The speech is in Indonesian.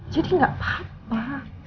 jadi gak apa apa